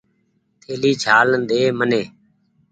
ٿهلي ڇهآلين ۮي مني